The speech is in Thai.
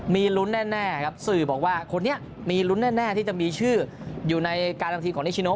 มีลุ้นแน่ครับสื่อบอกว่าคนนี้มีลุ้นแน่ที่จะมีชื่ออยู่ในการทำทีมของนิชิโน